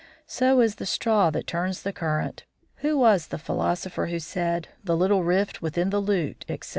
"So is the straw that turns the current. He was a philosopher who said, 'The little rift within the lute,' etc.